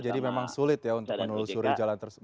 jadi memang sulit ya untuk menelusuri jalan tersebut